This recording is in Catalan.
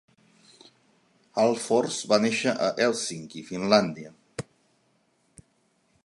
Ahlfors va néixer a Hèlsinki, Finlàndia.